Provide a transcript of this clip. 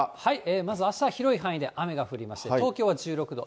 まずあしたは広い範囲で雨が降りまして、東京は１６度。